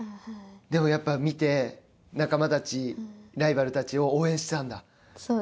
でも、やっぱり見て仲間たち、ライバルたちを応援してたんだ。